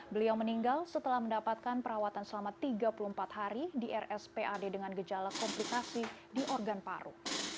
beliau meninggal setelah mendapatkan perawatan selama tiga puluh empat hari di rspad dengan gejala komplikasi di organ paru